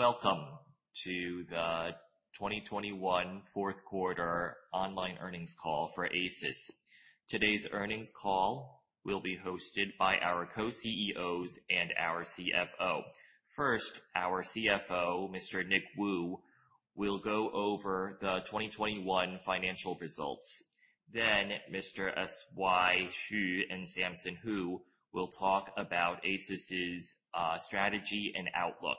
Welcome to the 2021 fourth quarter online earnings call for ASUS. Today's earnings call will be hosted by our Co-CEOs and our CFO. First, our CFO, Mr. Nick Wu, will go over the 2021 financial results. Then Mr. S.Y. Hsu and Samson Hu will talk about ASUS's strategy and outlook.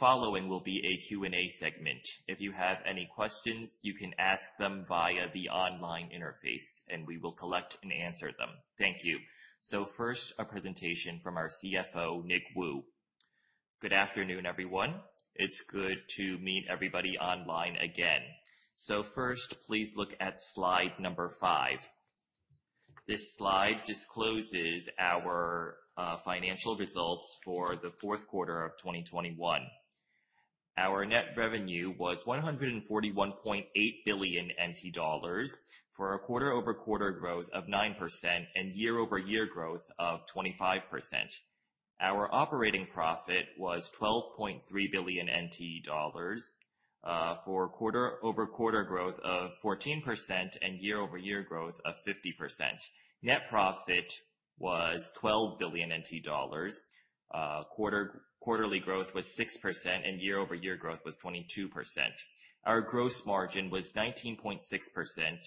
Following will be a Q&A segment. If you have any questions, you can ask them via the online interface, and we will collect and answer them. Thank you. First, a presentation from our CFO, Nick Wu. Good afternoon, everyone. It's good to meet everybody online again. First, please look at slide number five. This slide discloses our financial results for the fourth quarter of 2021. Our net revenue was 141.8 billion NT dollars for a quarter-over-quarter growth of 9% and year-over-year growth of 25%. Our operating profit was 12.3 billion NT dollars for quarter-over-quarter growth of 14% and year-over-year growth of 50%. Net profit was 12 billion NT dollars. Quarterly growth was 6% and year-over-year growth was 22%. Our gross margin was 19.6%,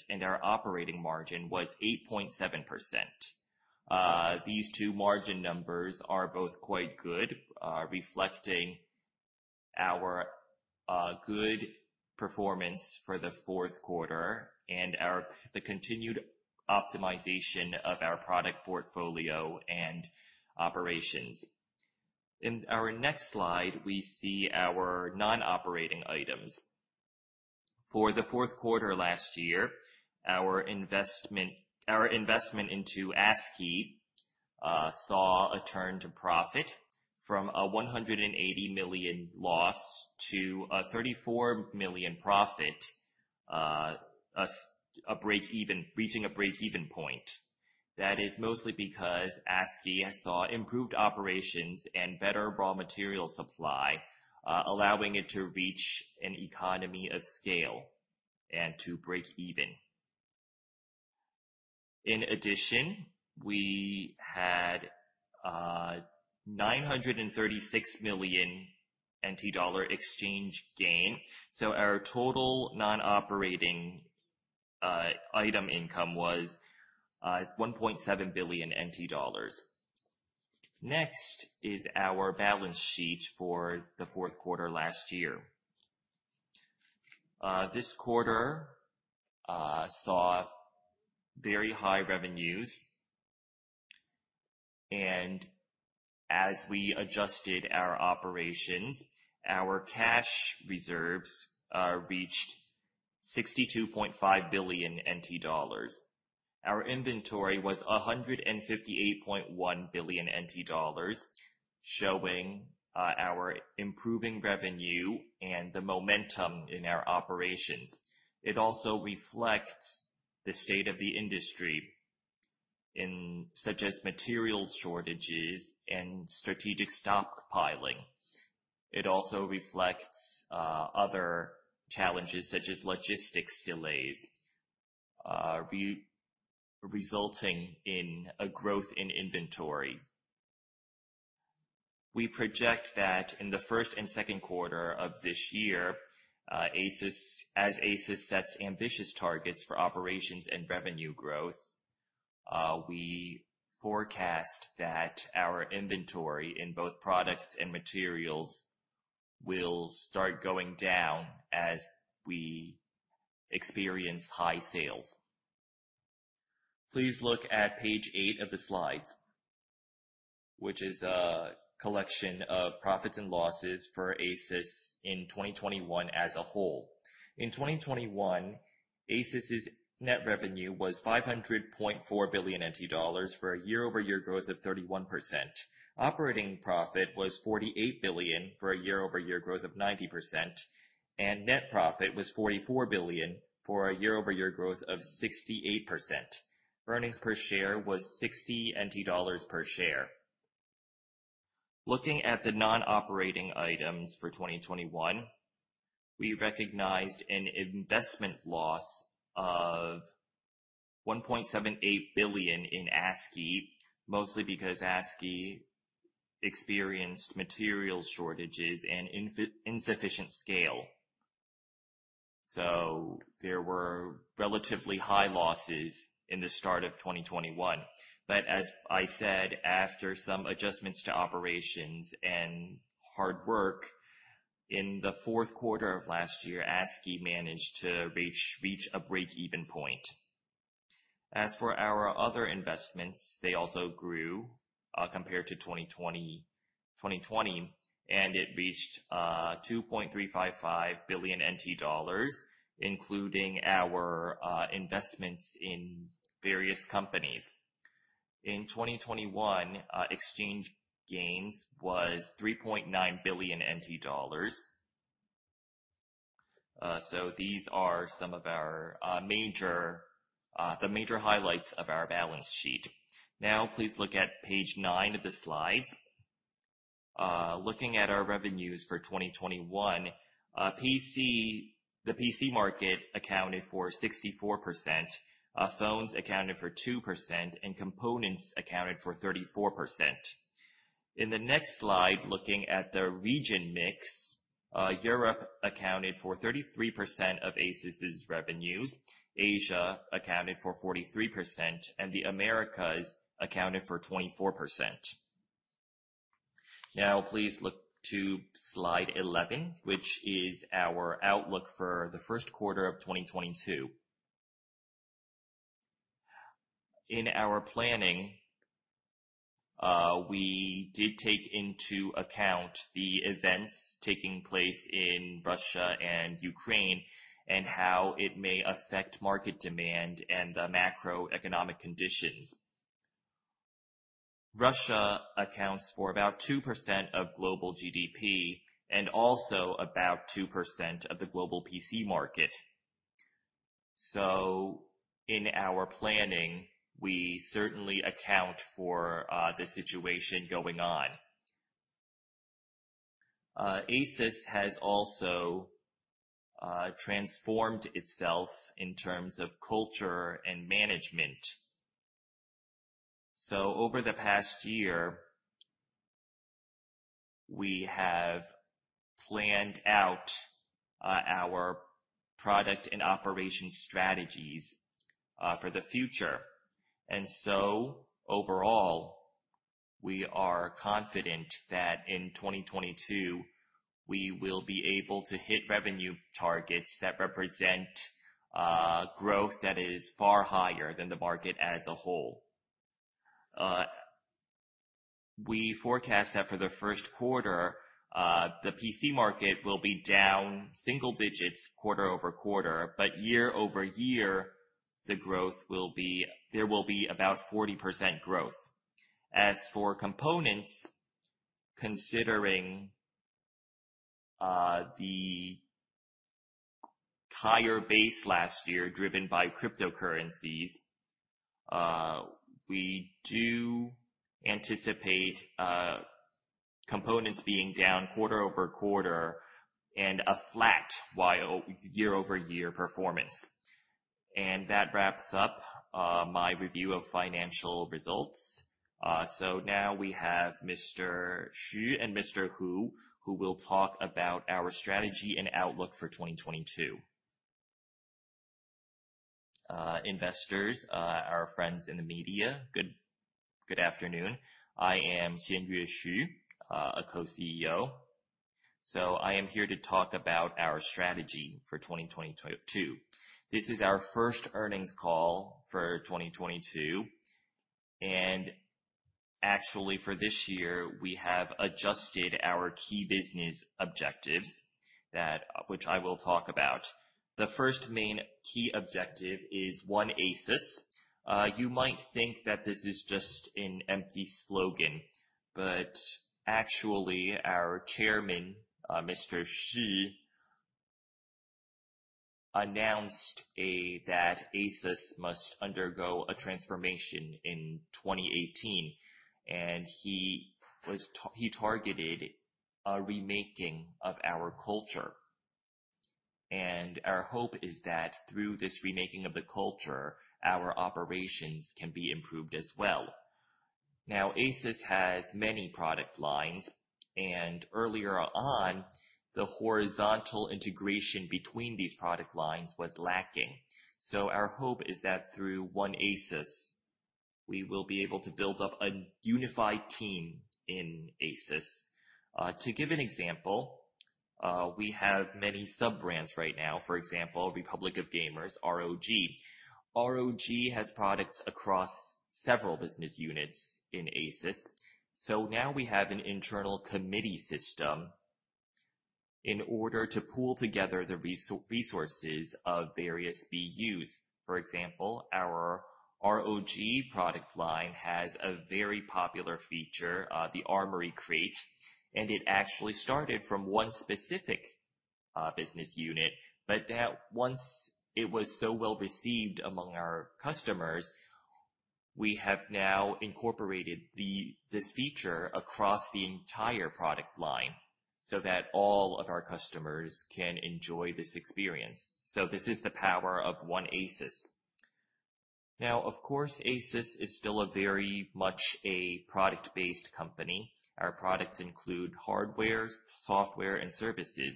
and our operating margin was 8.7%. These two margin numbers are both quite good, reflecting our good performance for the fourth quarter and the continued optimization of our product portfolio and operations. In our next slide, we see our non-operating items For the fourth quarter last year, our investment into Askey saw a turn to profit from a 180 million loss to a 34 million profit, reaching a break-even point. That is mostly because Askey has saw improved operations and better raw material supply, allowing it to reach an economy of scale and to break even. In addition, we had a 936 million NT dollar exchange gain. So our total non-operating item income was 1.7 billion NT dollars. Next is our balance sheet for the fourth quarter last year. This quarter saw very high revenues. As we adjusted our operations, our cash reserves reached 62.5 billion NT dollars. Our inventory was 158.1 billion NT dollars, showing our improving revenue and the momentum in our operations. It also reflects the state of the industry such as material shortages and strategic stockpiling. It also reflects other challenges such as logistics delays resulting in a growth in inventory. We project that in the first and second quarter of this year, as ASUS sets ambitious targets for operations and revenue growth, we forecast that our inventory in both products and materials will start going down as we experience high sales. Please look at page eight of the slides, which is a collection of profits and losses for ASUS in 2021 as a whole. In 2021, ASUS's net revenue was 500.4 billion NT dollars for a year-over-year growth of 31%. Operating profit was 48 billion for a year-over-year growth of 90%, and net profit was 44 billion for a year-over-year growth of 68%. Earnings per share was 60 NT dollars per share. Looking at the non-operating items for 2021, we recognized an investment loss of 1.78 billion in Askey, mostly because Askey experienced material shortages and insufficient scale. There were relatively high losses in the start of 2021. As I said, after some adjustments to operations and hard work, in the fourth quarter of last year, Askey managed to reach a break-even point. As for our other investments, they also grew compared to 2020, and it reached 2.355 billion NT dollars, including our investments in various companies. In 2021, exchange gains was 3.9 billion NT dollars. So these are some of our major highlights of our balance sheet. Now, please look at page nine of the slides. Looking at our revenues for 2021, the PC market accounted for 64%, phones accounted for 2%, and components accounted for 34%. In the next slide, looking at the region mix, Europe accounted for 33% of ASUS's revenues, Asia accounted for 43%, and the Americas accounted for 24%. Now, please look to slide 11, which is our outlook for the first quarter of 2022. In our planning, we did take into account the events taking place in Russia and Ukraine, and how it may affect market demand and the macroeconomic conditions. Russia accounts for about 2% of global GDP, and also about 2% of the global PC market. In our planning, we certainly account for the situation going on. ASUS has also transformed itself in terms of culture and management. Over the past year, we have planned out our product and operation strategies for the future. Overall, we are confident that in 2022, we will be able to hit revenue targets that represent growth that is far higher than the market as a whole. We forecast that for the first quarter, the PC market will be down single digits quarter-over-quarter, but year-over-year, there will be about 40% growth. As for components, considering the higher base last year driven by cryptocurrencies, we do anticipate components being down quarter-over-quarter and a flat year-over-year performance. That wraps up my review of financial results. Now we have Mr. Hsu and Mr. Hu, who will talk about our strategy and outlook for 2022. Investors, our friends in the media, good afternoon. I am S.Y. Hsu, a Co-CEO. I am here to talk about our strategy for 2022. This is our first earnings call for 2022, and actually for this year, we have adjusted our key business objectives which I will talk about. The first main key objective is One ASUS. You might think that this is just an empty slogan, but actually, our chairman, Mr. Shih announced that ASUS must undergo a transformation in 2018. He targeted a remaking of our culture. Our hope is that through this remaking of the culture, our operations can be improved as well. Now, ASUS has many product lines, and earlier on, the horizontal integration between these product lines was lacking. Our hope is that through One ASUS, we will be able to build up a unified team in ASUS. To give an example, we have many sub-brands right now. For example, Republic of Gamers, ROG. ROG has products across several business units in ASUS. Now we have an internal committee system in order to pool together the resources of various BUs. For example, our ROG product line has a very popular feature, the Armoury Crate. It actually started from one specific business unit. Now, once it was so well-received among our customers, we have now incorporated this feature across the entire product line, so that all of our customers can enjoy this experience. This is the power of One ASUS. Now, of course, ASUS is still very much a product-based company. Our products include hardware, software, and services.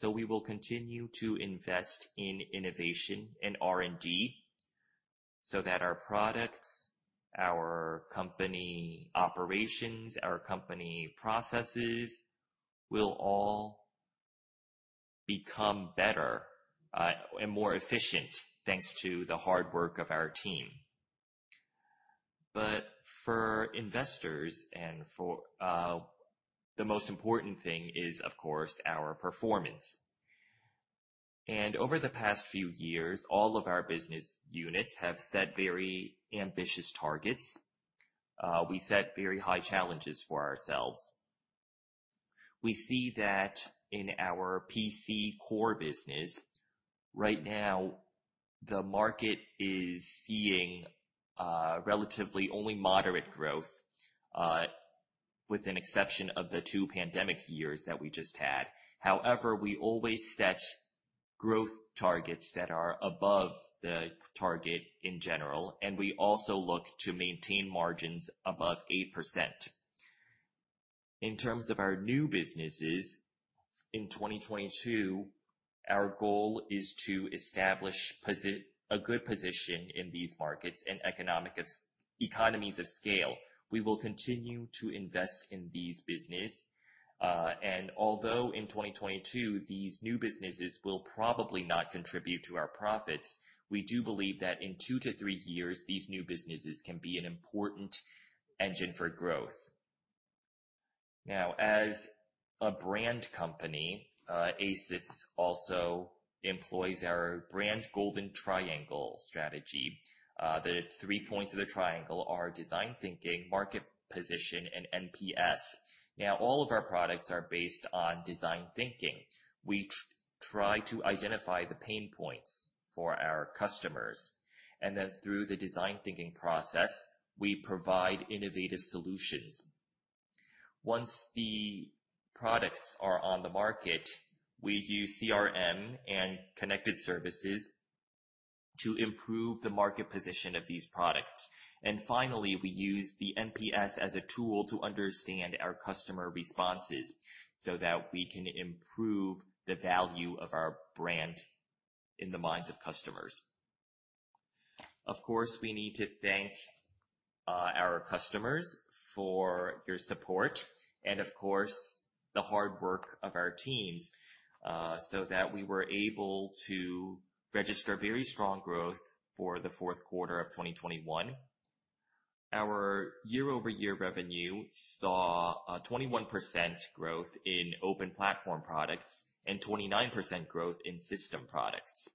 We will continue to invest in innovation and R&D, so that our products, our company operations, our company processes will all become better, and more efficient, thanks to the hard work of our team. For investors and the most important thing is, of course, our performance. Over the past few years, all of our business units have set very ambitious targets. We set very high challenges for ourselves. We see that in our PC core business. Right now, the market is seeing relatively only moderate growth with an exception of the two pandemic years that we just had. However, we always set growth targets that are above the target in general, and we also look to maintain margins above 8%. In terms of our new businesses, in 2022, our goal is to establish a good position in these markets and economies of scale. We will continue to invest in these business. Although in 2022, these new businesses will probably not contribute to our profits, we do believe that in two to three years, these new businesses can be an important engine for growth. Now, as a brand company, ASUS also employs our brand Golden Triangle strategy. The three points of the triangle are design thinking, market position, and NPS. Now, all of our products are based on design thinking. We try to identify the pain points for our customers, and then through the design thinking process, we provide innovative solutions. Once the products are on the market, we use CRM and connected services to improve the market position of these products. Finally, we use the NPS as a tool to understand our customer responses so that we can improve the value of our brand in the minds of customers. Of course, we need to thank our customers for your support and of course, the hard work of our teams, so that we were able to register very strong growth for the fourth quarter of 2021. Our year-over-year revenue saw 21% growth in open platform products and 29% growth in system products.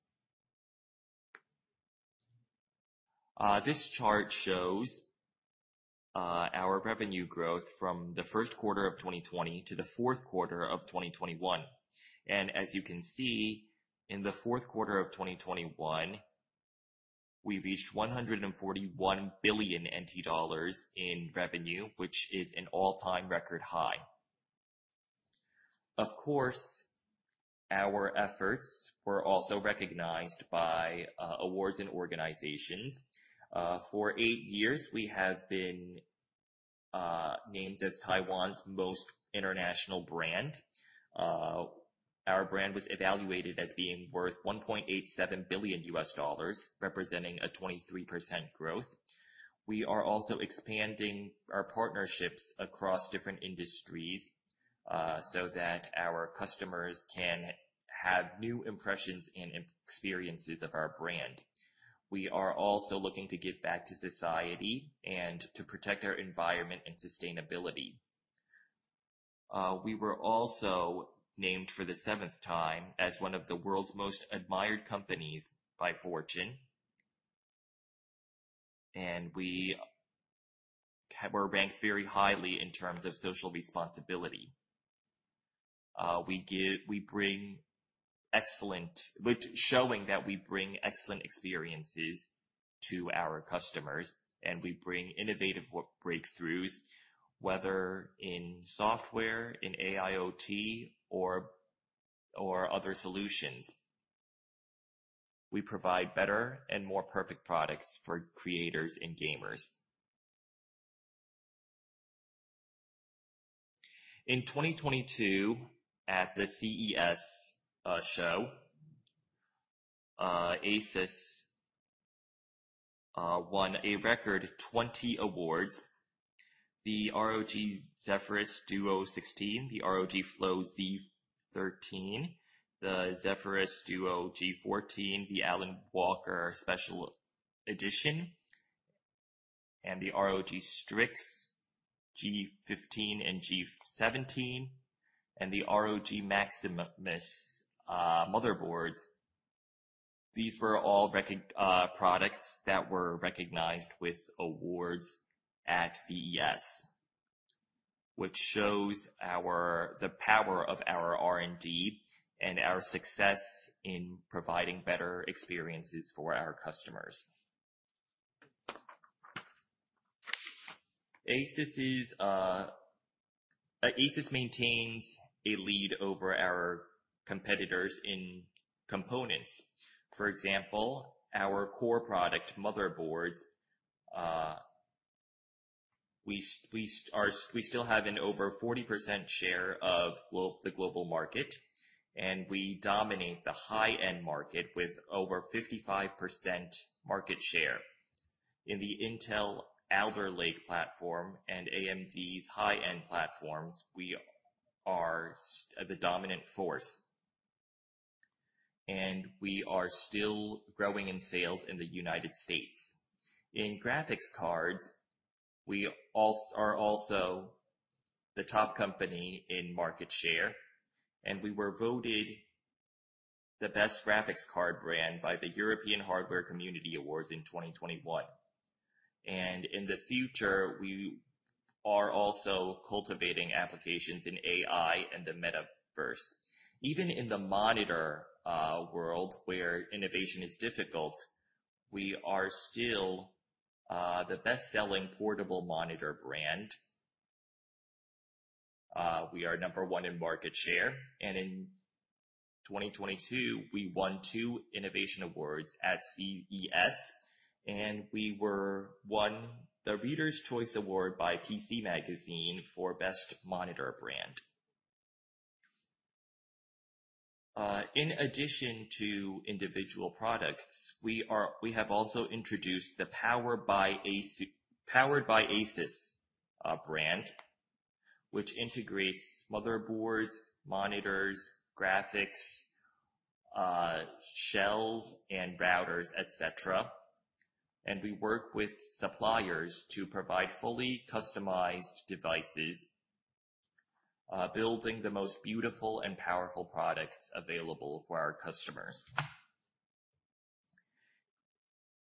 This chart shows our revenue growth from the first quarter of 2020 to the fourth quarter of 2021. As you can see, in the fourth quarter of 2021, we reached 141 billion NT dollars in revenue, which is an all-time record high. Of course, our efforts were also recognized by awards and organizations. For eight years, we have been named as Taiwan's most international brand. Our brand was evaluated as being worth $1.87 billion, representing a 23% growth. We are also expanding our partnerships across different industries, so that our customers can have new impressions and experiences of our brand. We are also looking to give back to society and to protect our environment and sustainability. We were also named for the seventh time as one of the World's Most Admired Companies by Fortune. We were ranked very highly in terms of social responsibility. We bring excellent experiences to our customers, and we bring innovative work breakthroughs, whether in software, in AIoT or other solutions. We provide better and more perfect products for creators and gamers. In 2022, at CES show, ASUS won a record 20 awards. The ROG Zephyrus Duo 16, the ROG Flow Z13, the ROG Zephyrus G14, the Alan Walker Special Edition, and the ROG Strix G15 and G17, and the ROG Maximus Motherboards. These were all products that were recognized with awards at CES, which shows the power of our R&D and our success in providing better experiences for our customers. ASUS maintains a lead over our competitors in components. For example, our core product motherboards, we still have an over 40% share of the global market, and we dominate the high-end market with over 55% market share. In the Intel Alder Lake platform and AMD's high-end platforms, we are the dominant force, and we are still growing in sales in the United States. In Graphics Cards, we are also the top company in market share, and we were voted the best graphics card brand by the European Hardware Community Awards in 2021. In the future, we are also cultivating applications in AI and the Metaverse. Even in the monitor world where innovation is difficult, we are still the best-selling portable monitor brand. We are number one in market share, and in 2022, we won two innovation awards at CES, and we won the Reader's Choice Award by PC Magazine for best monitor brand. In addition to individual products, we have also introduced the Powered by ASUS brand, which integrates Motherboards, Monitors, Graphics, Shells and Routers, et cetera. We work with suppliers to provide fully customized devices, building the most beautiful and powerful products available for our customers.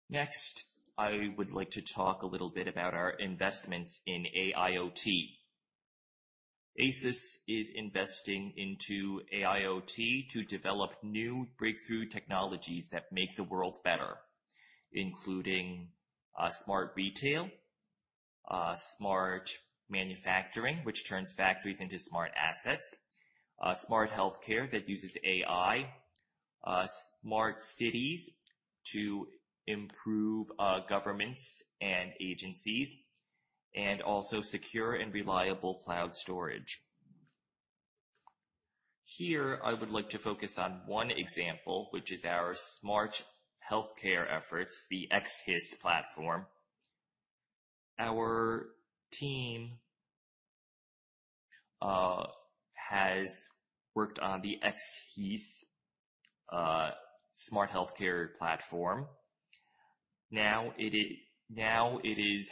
Next, I would like to talk a little bit about our investments in AIoT. ASUS is investing into AIoT to develop new breakthrough technologies that make the world better, including Smart Retail, Smart Manufacturing, which turns factories into smart assets, Smart Healthcare that uses AI, Smart City to improve governments and agencies, and also secure and reliable cloud storage. Here, I would like to focus on one example, which is our Smart Healthcare efforts, the xHIS platform. Our team has worked on the xHIS smart healthcare platform. Now it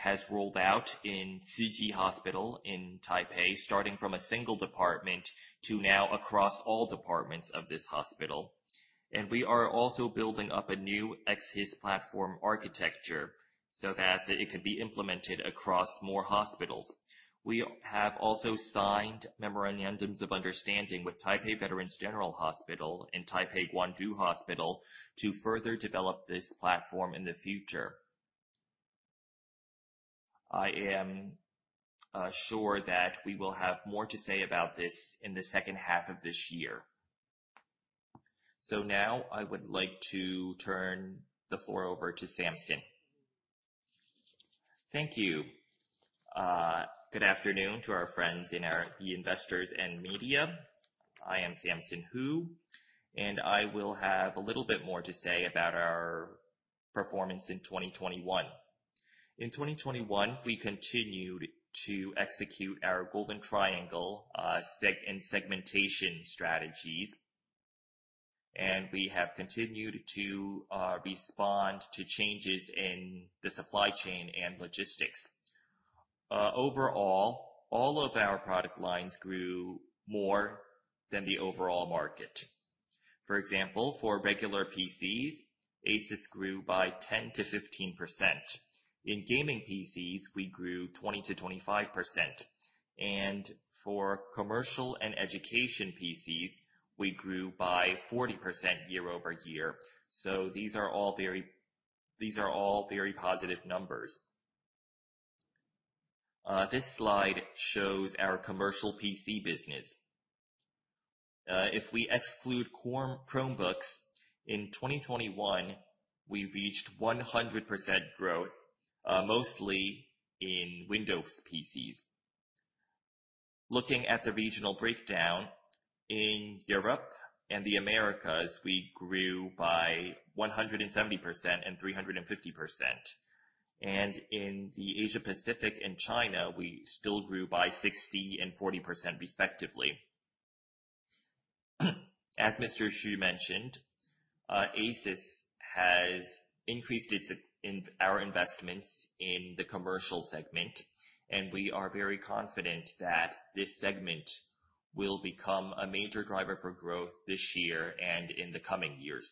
has rolled out in Tzu Chi Hospital in Taipei, starting from a single department to now across all departments of this hospital. We are also building up a new xHIS platform architecture so that it can be implemented across more hospitals. We have also signed memorandums of understanding with Taipei Veterans General Hospital and Taipei Guandu Hospital to further develop this platform in the future. I am sure that we will have more to say about this in the second half of this year. Now I would like to turn the floor over to Samson. Thank you. Good afternoon to our friends in the investors and media. I am Samson Hu, and I will have a little bit more to say about our performance in 2021. In 2021, we continued to execute our Golden Triangle and segmentation strategies, and we have continued to respond to changes in the supply chain and logistics. Overall, all of our product lines grew more than the overall market. For example, for regular PCs, ASUS grew by 10%-15%. In gaming PCs, we grew 20%-25%. For commercial and education PCs, we grew by 40% year-over-year. These are all very positive numbers. This slide shows our commercial PC business. If we exclude Chromebooks, in 2021, we reached 100% growth, mostly in Windows PCs. Looking at the regional breakdown, in Europe and the Americas, we grew by 170% and 350%. In the Asia Pacific and China, we still grew by 60% and 40% respectively. As Mr. Xu mentioned, ASUS has increased our investments in the commercial segment, and we are very confident that this segment will become a major driver for growth this year and in the coming years.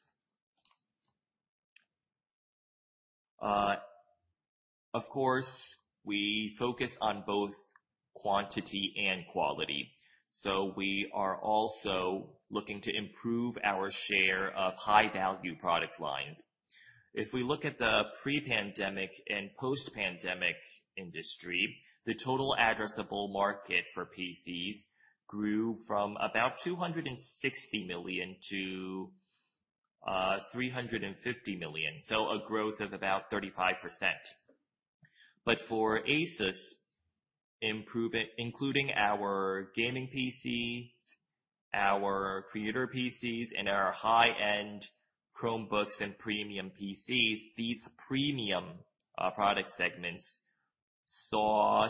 Of course, we focus on both quantity and quality, so we are also looking to improve our share of high-value product lines. If we look at the pre-pandemic and post-pandemic industry, the total addressable market for PCs grew from about 260 million to 350 million, so a growth of about 35%. For ASUS, including our gaming PCs, our creator PCs, and our high-end Chromebooks and premium PCs, these premium product segments saw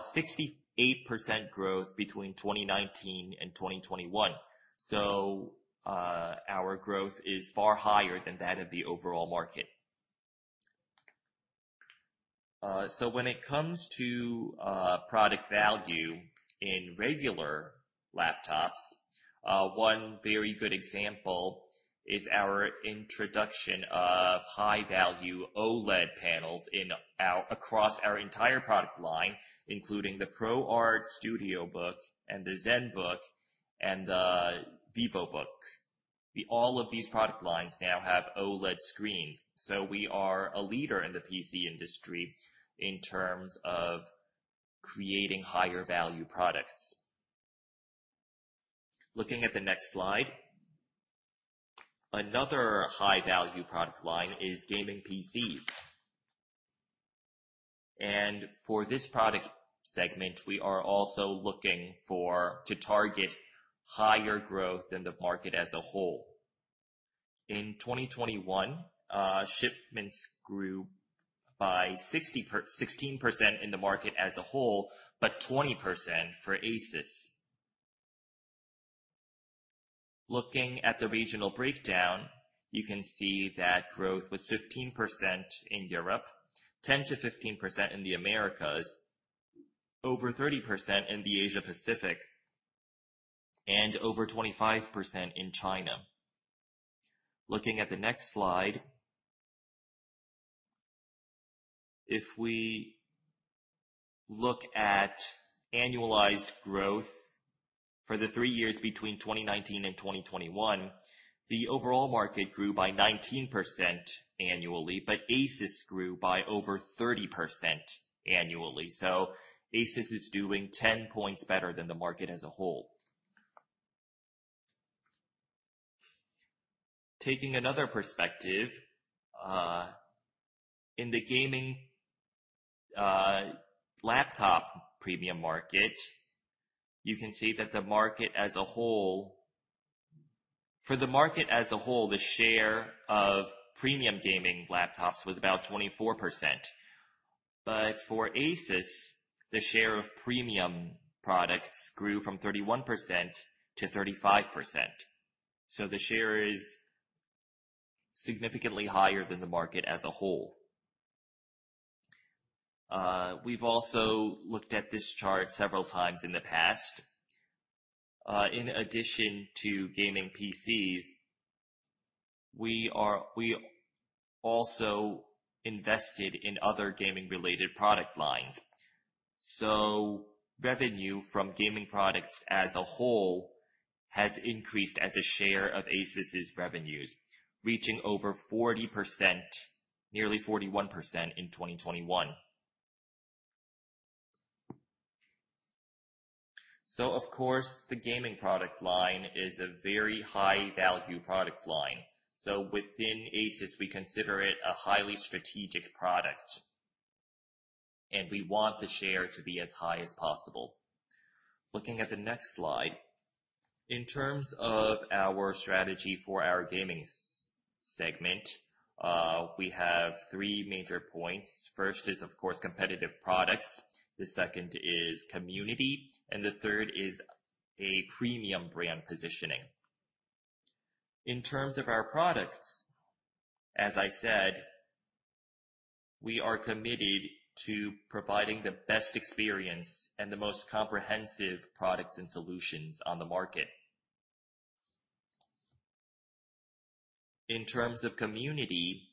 68% growth between 2019 and 2021. Our growth is far higher than that of the overall market. When it comes to product value in regular laptops, one very good example is our introduction of high-value OLED panels across our entire product line, including the ProArt Studiobook and the Zenbook, and the Vivobook. All of these product lines now have OLED screens. We are a leader in the PC industry in terms of creating higher value products. Looking at the next slide. Another high value product line is gaming PCs. For this product segment, we are also looking to target higher growth than the market as a whole. In 2021, shipments grew by 16% in the market as a whole, but 20% for ASUS. Looking at the regional breakdown, you can see that growth was 15% in Europe, 10%-15% in the Americas, over 30% in the Asia Pacific, and over 25% in China. Looking at the next slide. If we look at annualized growth for the three years between 2019 and 2021, the overall market grew by 19% annually, but ASUS grew by over 30% annually. ASUS is doing 10 points better than the market as a whole. Taking another perspective, in the gaming laptop premium market, you can see that for the market as a whole, the share of premium gaming laptops was about 24%. But for ASUS, the share of premium products grew from 31% to 35%. The share is significantly higher than the market as a whole. We've also looked at this chart several times in the past. In addition to gaming PCs, we also invested in other gaming related product lines. Revenue from gaming products as a whole has increased as a share of ASUS's revenues, reaching over 40%, nearly 41% in 2021. Of course, the gaming product line is a very high value product line. Within ASUS, we consider it a highly strategic product, and we want the share to be as high as possible. Looking at the next slide. In terms of our strategy for our gaming segment, we have three major points. First is, of course, competitive products. The second is community, and the third is a premium brand positioning. In terms of our products, as I said, we are committed to providing the best experience and the most comprehensive products and solutions on the market. In terms of community,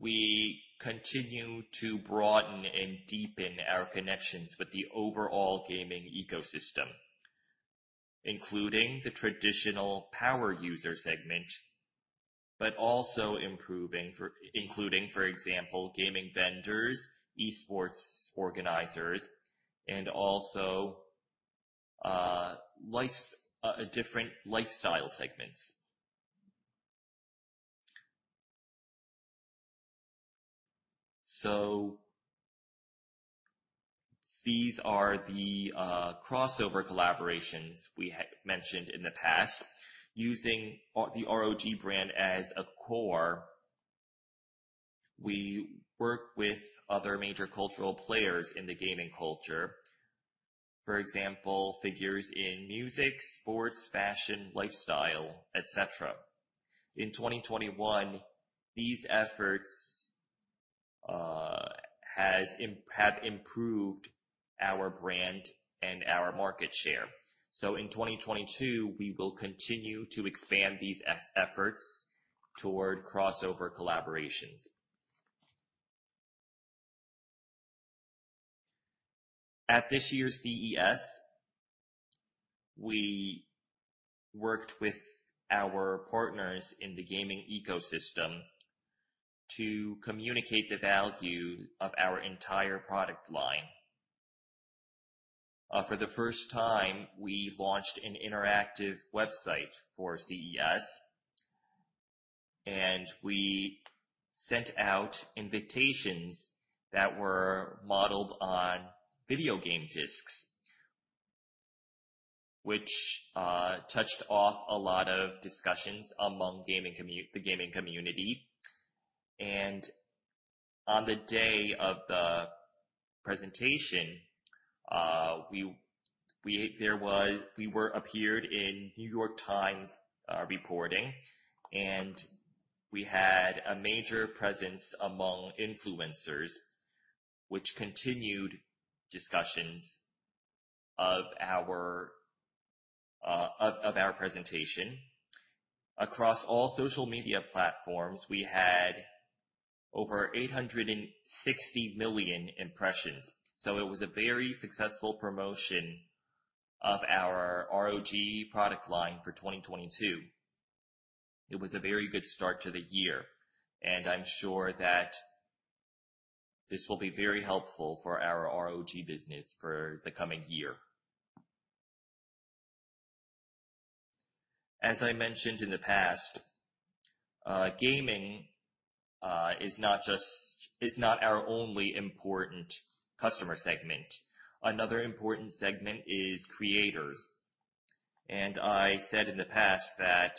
we continue to broaden and deepen our connections with the overall gaming ecosystem, including the traditional power user segment, but also including, for example, gaming vendors, e-sports organizers, and different lifestyle segments. These are the crossover collaborations we mentioned in the past. Using the ROG brand as a core, we work with other major cultural players in the gaming culture. For example, figures in music, sports, fashion, lifestyle, et cetera. In 2021, these efforts have improved our brand and our market share. In 2022, we will continue to expand these efforts toward crossover collaborations. At this year's CES, we worked with our partners in the gaming ecosystem to communicate the value of our entire product line. For the first time, we launched an interactive website for CES, and we sent out invitations that were modeled on video game discs, which touched off a lot of discussions among the gaming community. On the day of presentation, we appeared in New York Times reporting, and we had a major presence among influencers, which continued discussions of our presentation. Across all social media platforms, we had over 860 million impressions. It was a very successful promotion of our ROG product line for 2022. It was a very good start to the year, and I'm sure that this will be very helpful for our ROG business for the coming year. As I mentioned in the past, gaming is not our only important customer segment. Another important segment is creators. I said in the past that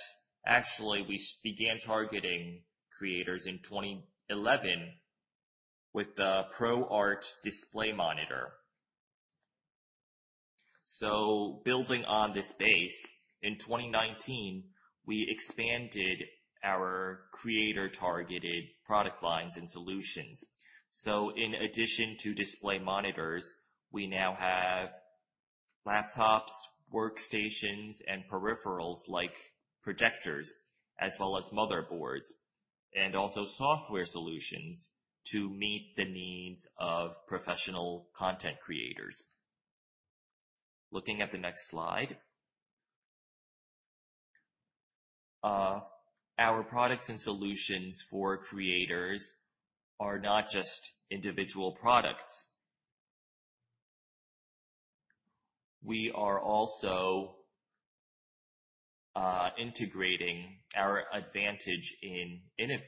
actually we began targeting creators in 2011 with the ProArt Display monitor. Building on this base, in 2019, we expanded our creator-targeted product lines and solutions. In addition to display, monitors, we now have laptops, workstations, and peripherals like projectors as well as motherboards, and also software solutions to meet the needs of professional content creators. Looking at the next slide. Our products and solutions for creators are not just individual products. We are also integrating our advantage in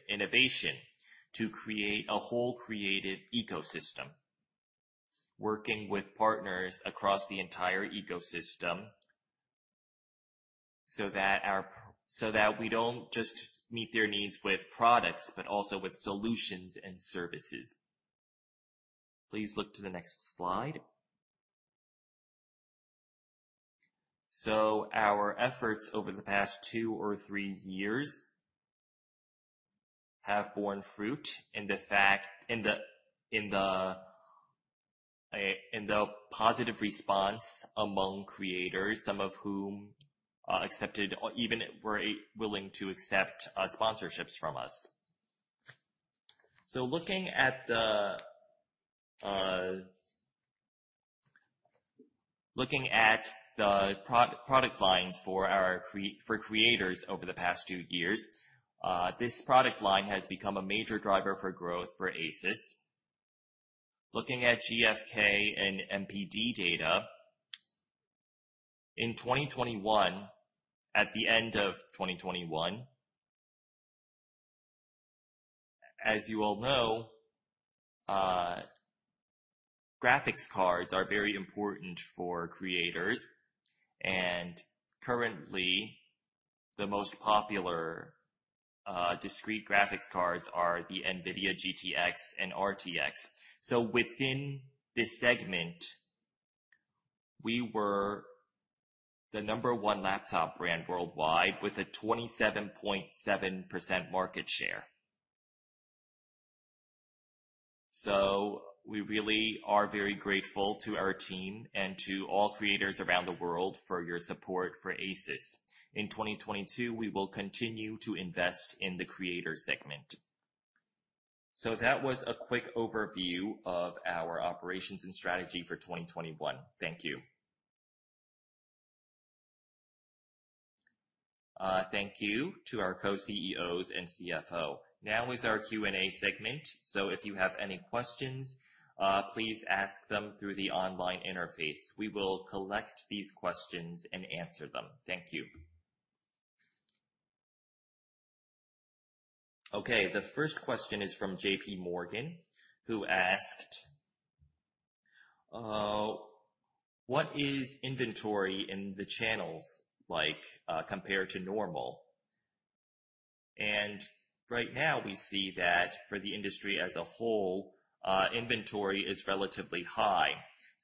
innovation to create a whole creative ecosystem. Working with partners across the entire ecosystem so that we don't just meet their needs with products, but also with solutions and services. Please look to the next slide. Our efforts over the past two or three years have borne fruit in the positive response among creators, some of whom accepted or even were willing to accept sponsorships from us. Looking at the product lines for creators over the past two years, this product line has become a major driver for growth for ASUS. Looking at GfK and NPD data, in 2021, at the end of 2021. As you all know, graphics cards are very important for creators, and currently, the most popular discrete graphics cards are the NVIDIA GTX and RTX. Within this segment, we were the number one laptop brand worldwide with a 27.7% market share. We really are very grateful to our team and to all creators around the world for your support for ASUS. In 2022, we will continue to invest in the creator segment. That was a quick overview of our operations and strategy for 2021. Thank you. Thank you to our Co-CEOs and CFO. Now is our Q&A segment, so if you have any questions, please ask them through the online interface. We will collect these questions and answer them. Thank you. Okay. The first question is from J.P. Morgan, who asked, "What is inventory in the channels like, compared to normal? And right now we see that for the industry as a whole, inventory is relatively high.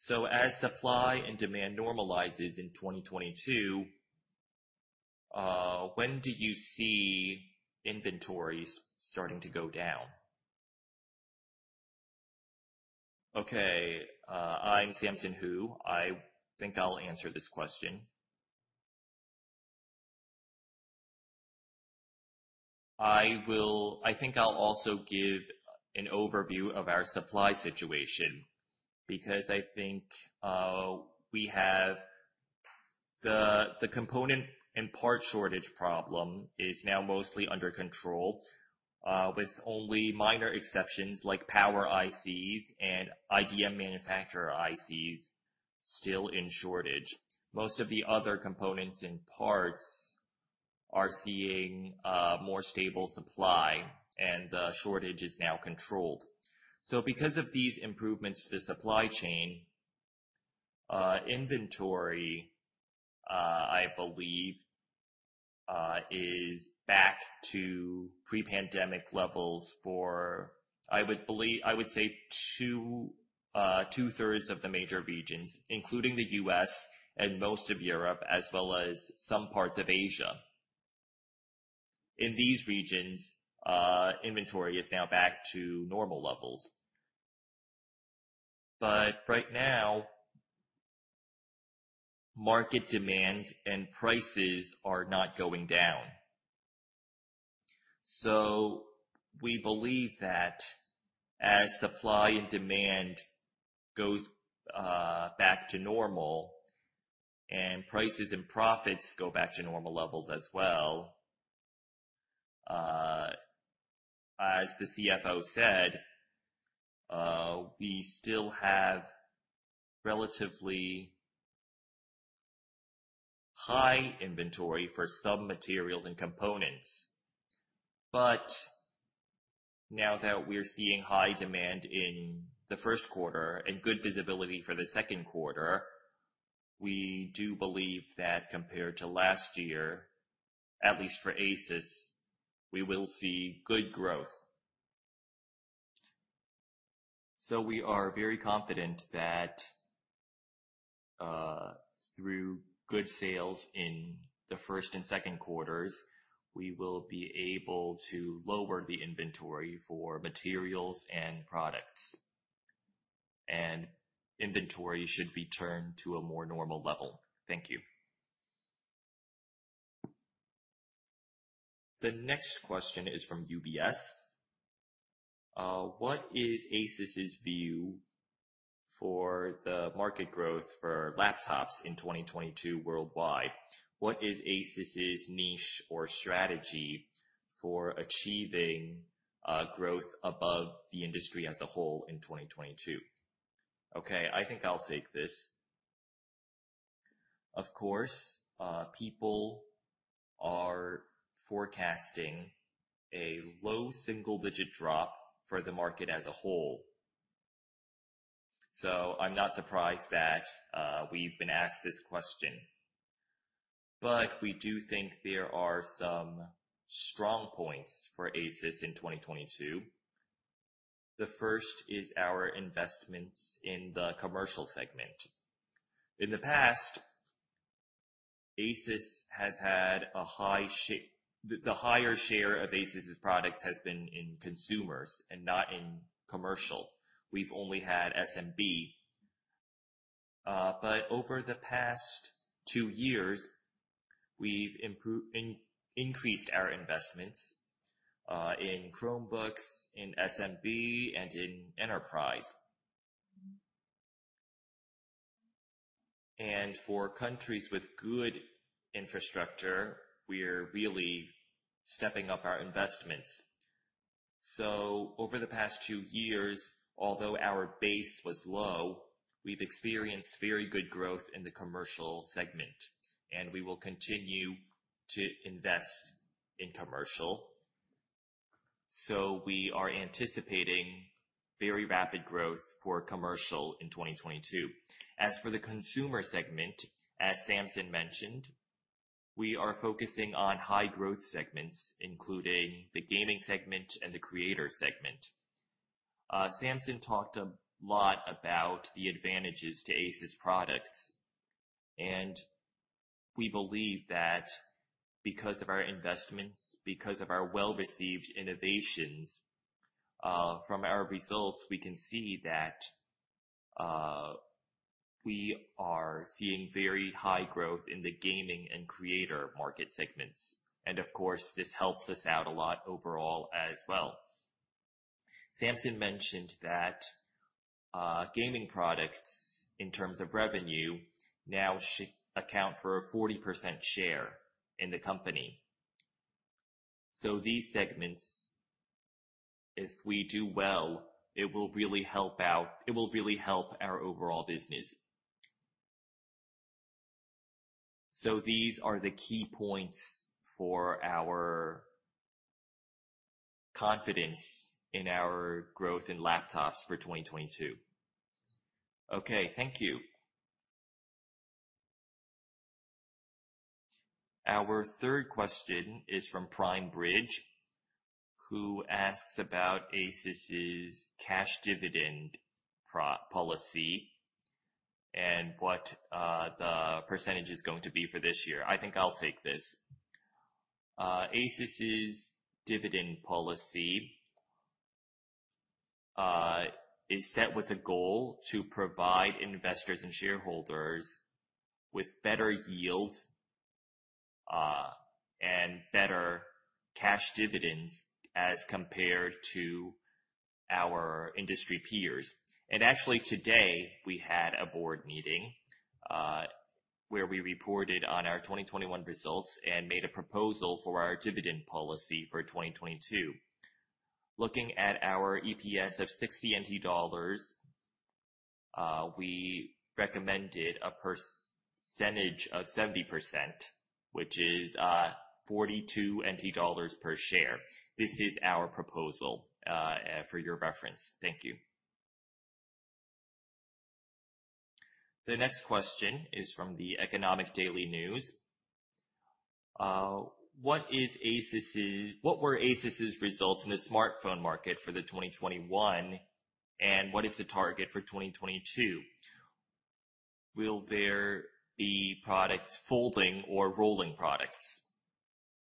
As supply and demand normalizes in 2022, when do you see inventories starting to go down?" Okay. I'm Samson Hu. I think I'll answer this question. I think I'll also give an overview of our supply situation because I think we have the component and part shortage problem is now mostly under control, with only minor exceptions like power ICs and IDM manufacturer ICs still in shortage. Most of the other components and parts are seeing more stable supply and the shortage is now controlled. Because of these improvements to the supply chain, inventory, I believe, is back to pre-pandemic levels for, I would say 2/3s of the major regions, including the U.S. and most of Europe, as well as some parts of Asia. In these regions, inventory is now back to normal levels. Right now, market demand and prices are not going down. We believe that as supply and demand goes back to normal and prices and profits go back to normal levels as well, as the CFO said, we still have relatively high inventory for some materials and components. Now that we're seeing high demand in the first quarter and good visibility for the second quarter, we do believe that compared to last year, at least for ASUS, we will see good growth. We are very confident that through good sales in the first and second quarters, we will be able to lower the inventory for materials and products. Inventory should return to a more normal level. Thank you. The next question is from UBS. What is ASUS's view for the market growth for laptops in 2022 worldwide? What is ASUS's niche or strategy for achieving growth above the industry as a whole in 2022? Okay, I think I'll take this. Of course, people are forecasting a low single-digit drop for the market as a whole, so I'm not surprised that we've been asked this question. But we do think there are some strong points for ASUS in 2022. The first is our investments in the commercial segment. In the past, the higher share of ASUS's products has been in consumers and not in commercial. We've only had SMB. But over the past two years, we've increased our investments in Chromebooks, in SMB, and in enterprise. For countries with good infrastructure, we're really stepping up our investments. Over the past two years, although our base was low, we've experienced very good growth in the commercial segment, and we will continue to invest in commercial. We are anticipating very rapid growth for commercial in 2022. As for the consumer segment, as Samson mentioned, we are focusing on high growth segments, including the gaming segment and the creator segment. Samson talked a lot about the advantages to ASUS products, and we believe that because of our investments, because of our well-received innovations, from our results, we can see that, we are seeing very high growth in the gaming and creator market segments. Of course, this helps us out a lot overall as well. Samson mentioned that, gaming products in terms of revenue now account for 40% share in the company. These segments, if we do well, it will really help out. It will really help our overall business. These are the key points for our confidence in our growth in laptops for 2022. Okay, thank you. Our third question is from Primasia, who asks about ASUS's cash dividend policy and what the percentage is going to be for this year. I think I'll take this. ASUS's dividend policy is set with a goal to provide investors and shareholders with better yield and better cash dividends as compared to our industry peers. Actually today, we had a board meeting where we reported on our 2021 results and made a proposal for our dividend policy for 2022. Looking at our EPS of 60 NT dollars, we recommended a percentage of 70%, which is 42 per share. This is our proposal for your reference. Thank you. The next question is from the Economic Daily News. What were ASUS's results in the smartphone market for 2021, and what is the target for 2022? Will there be products folding or rolling products?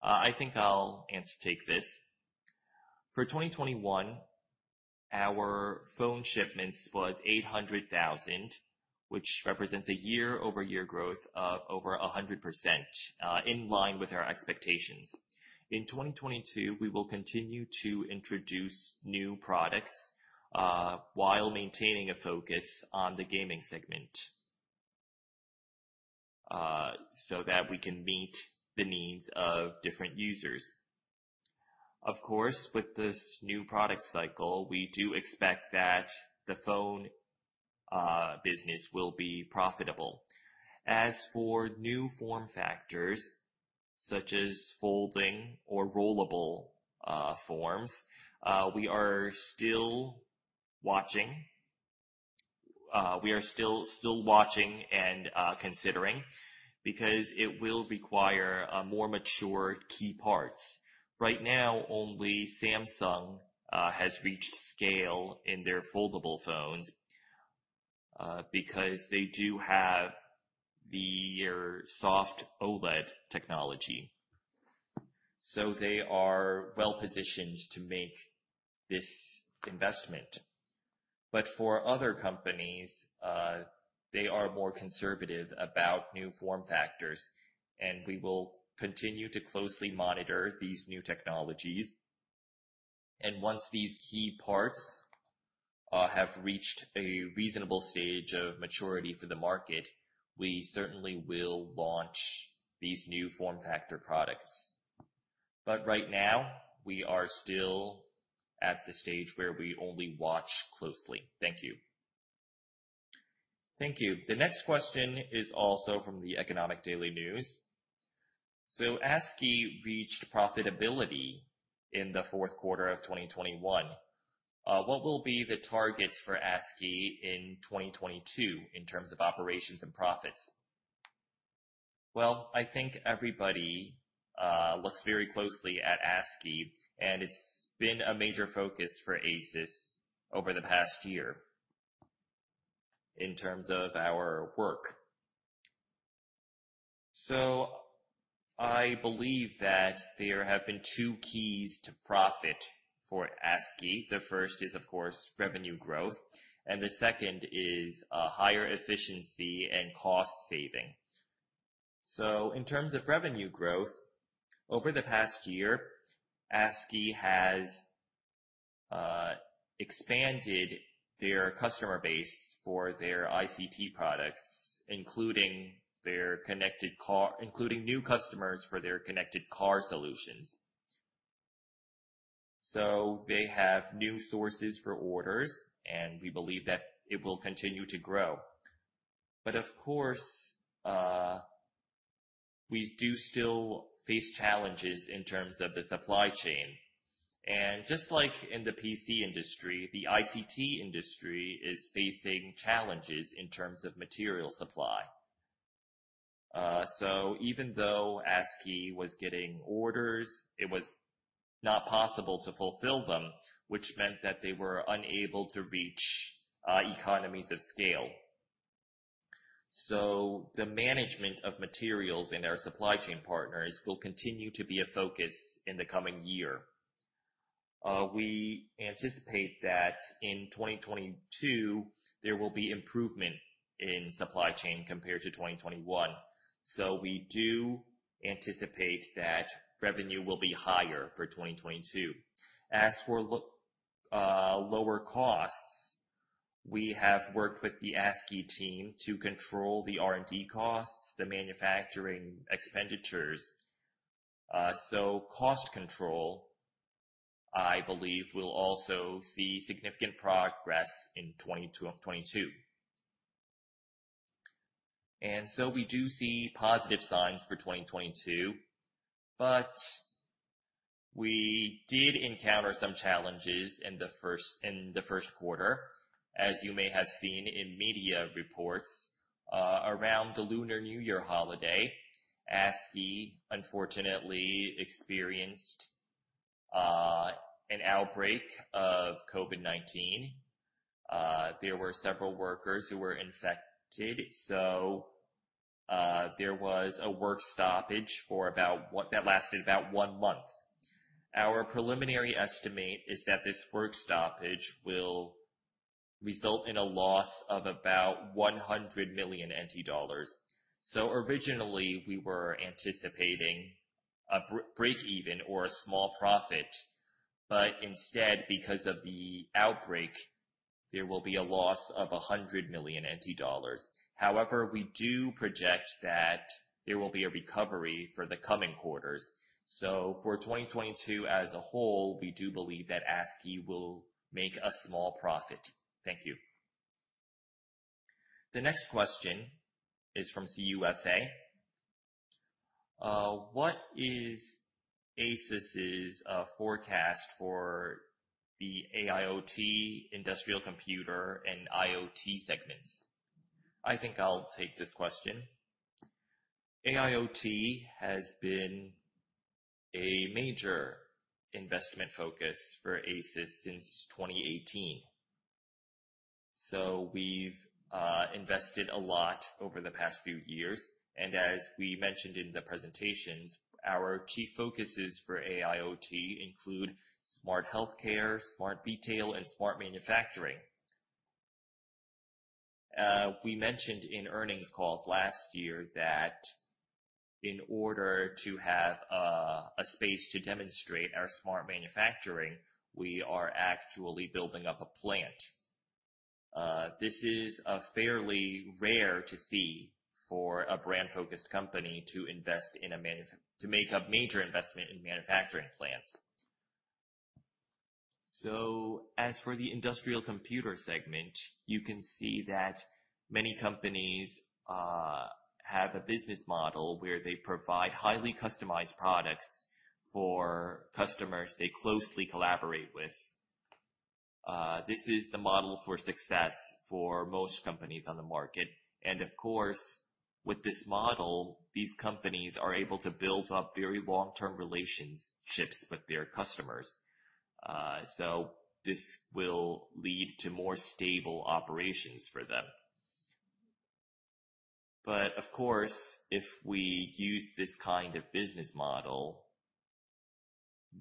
I think I'll take this. For 2021, our phone shipments was 800,000, which represents a year-over-year growth of over 100%, in line with our expectations. In 2022, we will continue to introduce new products, while maintaining a focus on the gaming segment. That we can meet the needs of different users. Of course, with this new product cycle, we do expect that the phone business will be profitable. As for new form factors such as folding or rollable forms, we are still watching. We are still watching and considering because it will require a more mature key parts. Right now, only Samsung has reached scale in their foldable phones because they do have the soft OLED technology, so they are well-positioned to make this investment. For other companies, they are more conservative about new form factors, and we will continue to closely monitor these new technologies, and once these key parts have reached a reasonable stage of maturity for the market, we certainly will launch these new form factor products. Right now, we are still at the stage where we only watch closely. Thank you. The next question is also from the Economic Daily News. Askey reached profitability in the fourth quarter of 2021. What will be the targets for Askey in 2022 in terms of operations and profits? Well, I think everybody looks very closely at Askey, and it's been a major focus for ASUS over the past year in terms of our work. I believe that there have been two keys to profit for Askey. The first is, of course, revenue growth, and the second is higher efficiency and cost saving. In terms of revenue growth, over the past year, Askey has expanded their customer base for their ICT products, including new customers for their connected car solutions. They have new sources for orders, and we believe that it will continue to grow. Of course, we do still face challenges in terms of the supply chain. Just like in the PC industry, the ICT industry is facing challenges in terms of material supply. Even though Askey was getting orders, it was not possible to fulfill them, which meant that they were unable to reach economies of scale. The management of materials in our supply chain partners will continue to be a focus in the coming year. We anticipate that in 2022, there will be improvement in supply chain compared to 2021. We do anticipate that revenue will be higher for 2022. As for lower costs, we have worked with the Askey team to control the R&D costs, the manufacturing expenditures. Cost control, I believe, will also see significant progress in 2022. We do see positive signs for 2022, but we did encounter some challenges in the first quarter. As you may have seen in media reports, around the Lunar New Year holiday, Askey unfortunately experienced an outbreak of COVID-19. There were several workers who were infected, so there was a work stoppage that lasted about one month. Our preliminary estimate is that this work stoppage will result in a loss of about 100 million NT dollars. Originally, we were anticipating a break even or a small profit. Instead, because of the outbreak, there will be a loss of 100 million NT dollars. However, we do project that there will be a recovery for the coming quarters. For 2022 as a whole, we do believe that Askey will make a small profit. Thank you. The next question is from CUSA. What is ASUS's forecast for the AIoT industrial computer and IoT segments? I think I'll take this question. AIoT has been a major investment focus for ASUS since 2018. We've invested a lot over the past few years, and as we mentioned in the presentations, our key focuses for AIoT include smart healthcare, smart retail, and smart manufacturing. We mentioned in earnings calls last year that in order to have a space to demonstrate our smart manufacturing, we are actually building up a plant. This is fairly rare to see for a brand-focused company to make a major investment in manufacturing plants. As for the industrial computer segment, you can see that many companies have a business model where they provide highly customized products for customers they closely collaborate with. This is the model for success for most companies on the market. Of course, with this model, these companies are able to build up very long-term relationships with their customers. This will lead to more stable operations for them. Of course, if we use this kind of business model,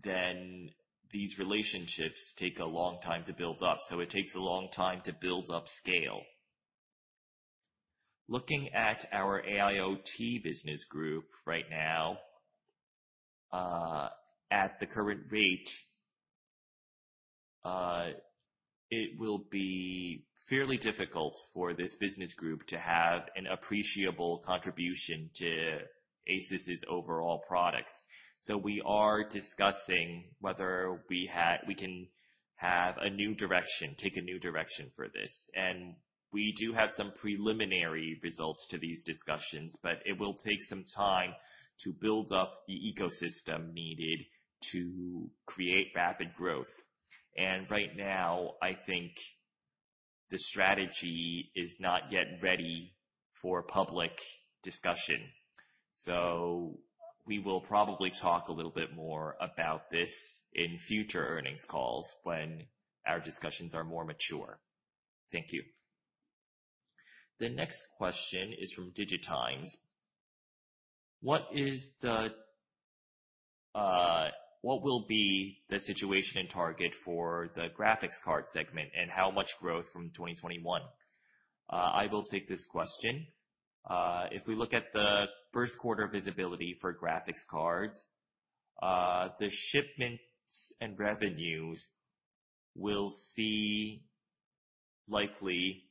then these relationships take a long time to build up, so it takes a long time to build up scale. Looking at our AIoT business group right now, at the current rate, it will be fairly difficult for this business group to have an appreciable contribution to ASUS's overall products. We are discussing whether we can have a new direction, take a new direction for this. We do have some preliminary results to these discussions, but it will take some time to build up the ecosystem needed to create rapid growth. Right now, I think the strategy is not yet ready for public discussion. We will probably talk a little bit more about this in future earnings calls when our discussions are more mature. Thank you. The next question is from DIGITIMES. What will be the situation and target for the graphics card segment, and how much growth from 2021? I will take this question. If we look at the first quarter visibility for graphics cards, the shipments and revenues will see likely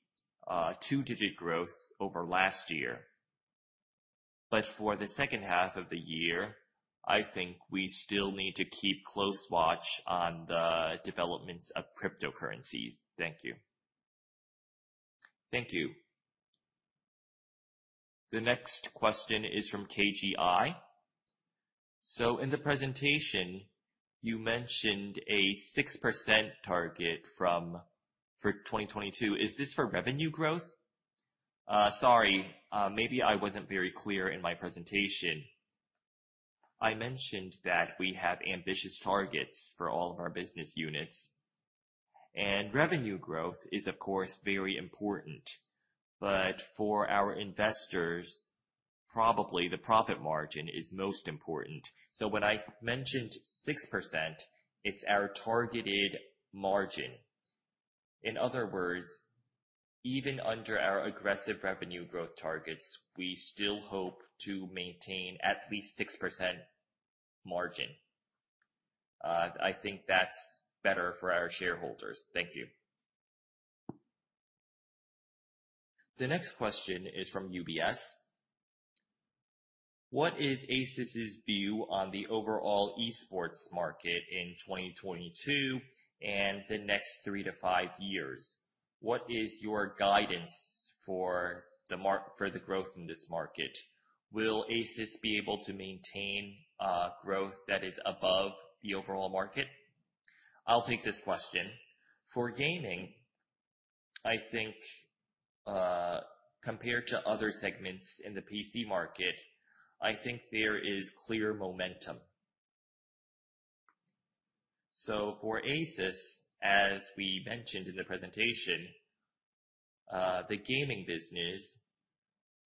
two-digit growth over last year. For the second half of the year, I think we still need to keep close watch on the developments of cryptocurrencies. Thank you. The next question is from KGI. In the presentation, you mentioned a 6% target for 2022. Is this for revenue growth? Sorry, maybe I wasn't very clear in my presentation. I mentioned that we have ambitious targets for all of our business units. Revenue growth is, of course, very important, but for our investors, probably the profit margin is most important. When I mentioned 6%, it's our targeted margin. In other words, even under our aggressive revenue growth targets, we still hope to maintain at least 6% margin. I think that's better for our shareholders. Thank you. The next question is from UBS. What is ASUS's view on the overall e-sports market in 2022 and the next three to five years? What is your guidance for the growth in this market? Will ASUS be able to maintain growth that is above the overall market? I'll take this question. For gaming, I think, compared to other segments in the PC market, I think there is clear momentum. For ASUS, as we mentioned in the presentation, the gaming business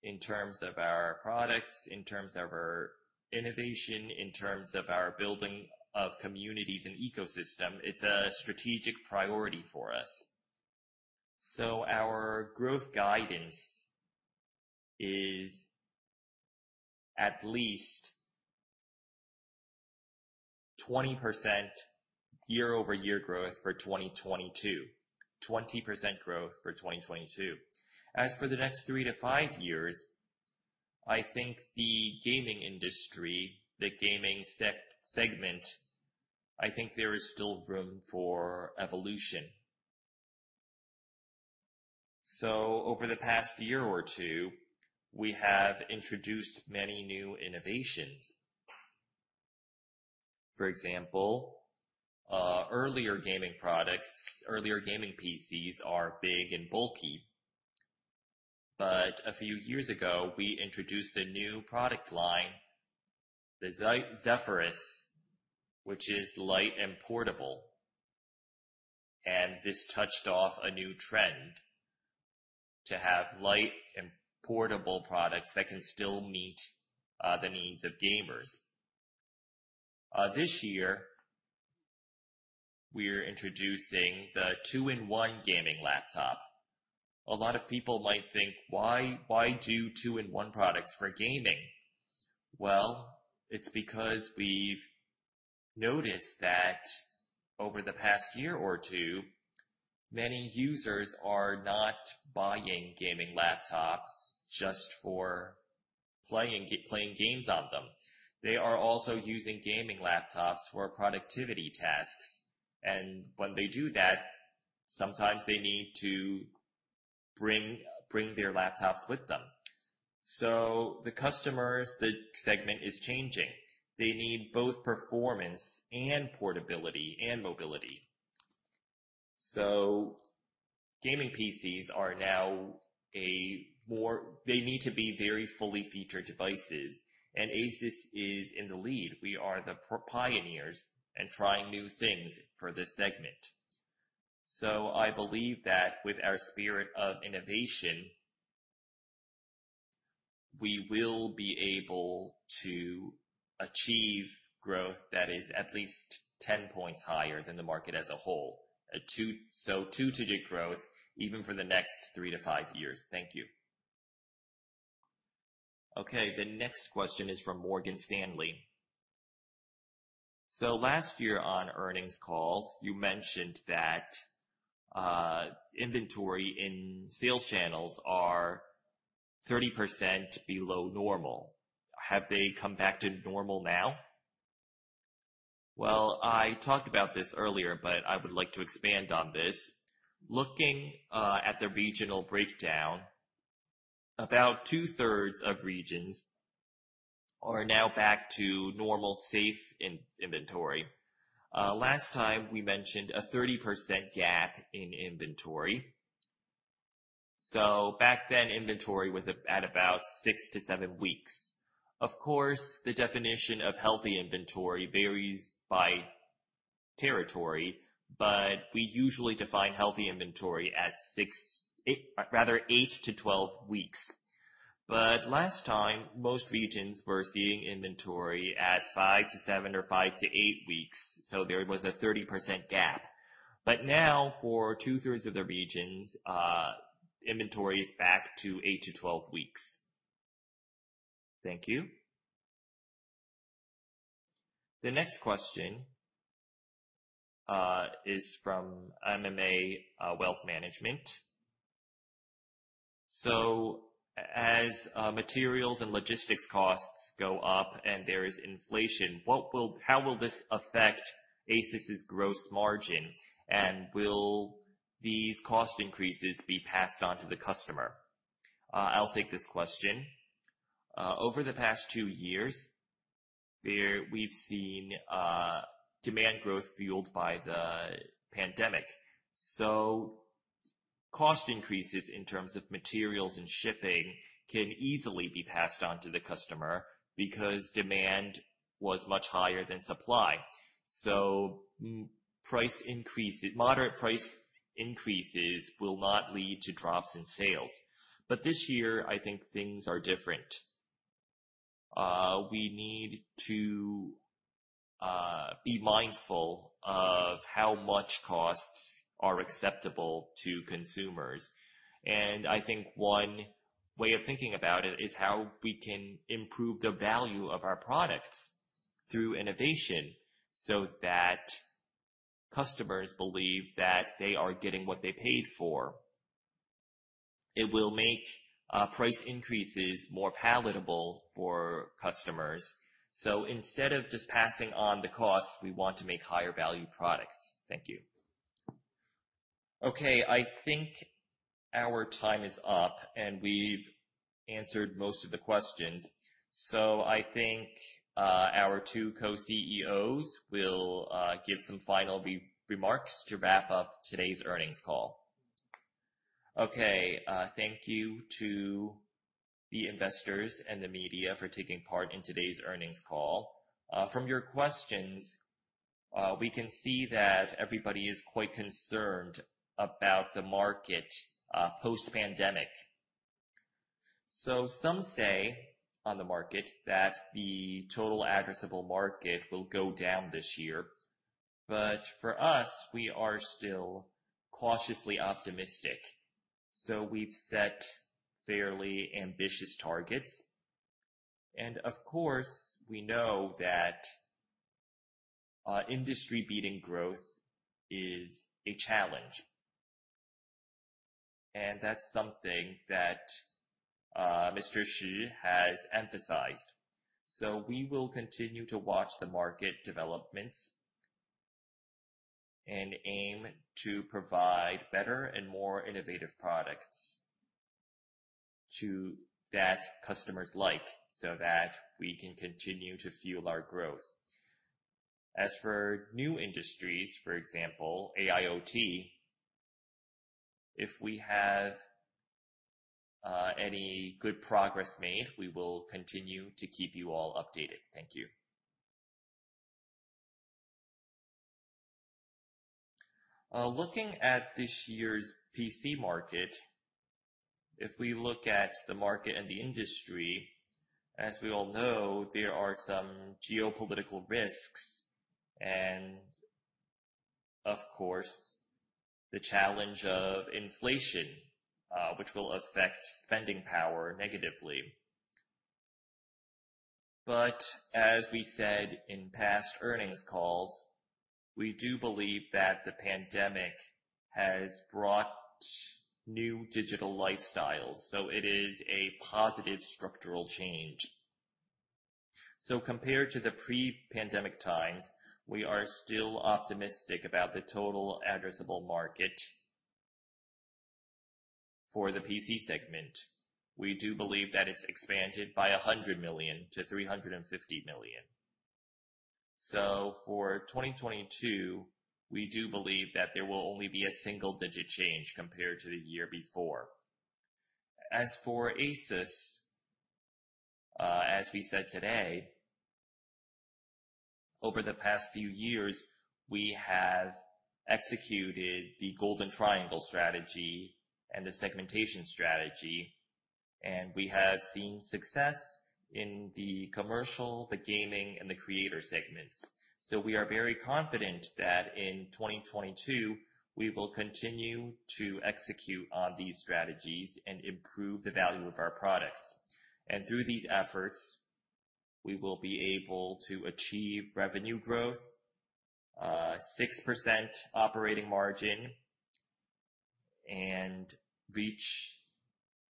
in terms of our products, in terms of our innovation, in terms of our building of communities and ecosystem, it's a strategic priority for us. Our growth guidance is at least 20% year-over-year growth for 2022. 20% growth for 2022. As for the next three to five years, I think the gaming industry, the gaming segment, I think there is still room for evolution. Over the past year or two, we have introduced many new innovations. For example, earlier gaming products, earlier gaming PCs are big and bulky. A few years ago, we introduced a new product line, the Zephyrus, which is light and portable. This touched off a new trend to have light and portable products that can still meet the needs of gamers. This year, we're introducing the two-in-one gaming laptop. A lot of people might think why do two-in-one products for gaming? Well, it's because we've noticed that over the past year or two, many users are not buying gaming laptops just for playing games on them. They are also using gaming laptops for productivity tasks. When they do that, sometimes they need to bring their laptops with them. The customers, the segment is changing. They need both performance and portability and mobility. Gaming PCs are now They need to be very fully featured devices, and ASUS is in the lead. We are the pioneers at trying new things for this segment. I believe that with our spirit of innovation, we will be able to achieve growth that is at least 10 points higher than the market as a whole. Two-digit growth even for the next three to five years. Thank you. Okay. The next question is from Morgan Stanley. Last year on earnings calls, you mentioned that inventory in sales channels are 30% below normal. Have they come back to normal now? Well, I talked about this earlier, but I would like to expand on this. Looking at the regional breakdown, about 2/3 of regions are now back to normal, safe in-inventory. Last time we mentioned a 30% gap in inventory. Back then, inventory was at about six to seven weeks. Of course, the definition of healthy inventory varies by territory, but we usually define healthy inventory at six, rather eight to 12 weeks. Last time, most regions were seeing inventory at five, seven or five to eight weeks, so there was a 30% gap. Now, for 2/3s of the regions, inventory is back to eight to 12 weeks. Thank you. The next question is from MMA Wealth Management. As materials and logistics costs go up and there is inflation, how will this affect ASUS's gross margin? And will these cost increases be passed on to the customer? I'll take this question. Over the past two years, we've seen demand growth fueled by the pandemic. Cost increases in terms of materials and shipping can easily be passed on to the customer because demand was much higher than supply. Moderate price increases will not lead to drops in sales. This year, I think things are different. We need to be mindful of how much costs are acceptable to consumers. I think one way of thinking about it is how we can improve the value of our products through innovation, so that customers believe that they are getting what they paid for. It will make price increases more palatable for customers. Instead of just passing on the costs, we want to make higher value products. Thank you. Okay, I think our time is up, and we've answered most of the questions. I think our two Co-CEOs will give some final remarks to wrap up today's earnings call. Thank you to the investors and the media for taking part in today's earnings call. From your questions, we can see that everybody is quite concerned about the market post-pandemic. Some say on the market that the total addressable market will go down this year. For us, we are still cautiously optimistic. We've set fairly ambitious targets. Of course, we know that industry-beating growth is a challenge, and that's something that Mr. Shih has emphasized. We will continue to watch the market developments and aim to provide better and more innovative products that customers like, so that we can continue to fuel our growth. As for new industries, for example, AIoT, if we have any good progress made, we will continue to keep you all updated. Thank you. Looking at this year's PC market, if we look at the market and the industry, as we all know, there are some geopolitical risks and, of course, the challenge of inflation, which will affect spending power negatively. As we said in past earnings calls, we do believe that the pandemic has brought new digital lifestyles, so it is a positive structural change. Compared to the pre-pandemic times, we are still optimistic about the total addressable market. For the PC segment, we do believe that it's expanded by 100 million to 350 million. For 2022, we do believe that there will only be a single-digit change compared to the year before. As for ASUS, as we said today, over the past few years, we have executed the golden triangle strategy and the segmentation strategy, and we have seen success in the commercial, the gaming, and the creator segments. We are very confident that in 2022, we will continue to execute on these strategies and improve the value of our products. Through these efforts, we will be able to achieve revenue growth, 6% operating margin, and reach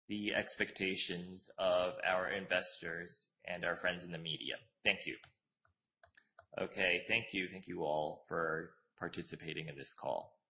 the expectations of our investors and our friends in the media. Thank you. Okay. Thank you. Thank you all for participating in this call.